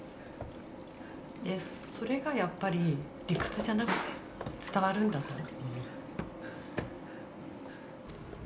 それがやっぱり理屈じゃなくて伝わるんだと思う。